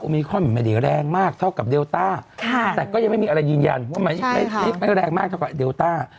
มิคอนมันไม่ได้แรงมากเท่ากับเดลต้าแต่ก็ยังไม่มีอะไรยืนยันว่าไม่แรงมากเท่ากับเดลต้า